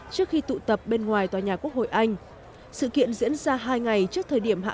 trước khi tụ tập bên ngoài tòa nhà quốc hội anh sự kiện diễn ra hai ngày trước thời điểm hạ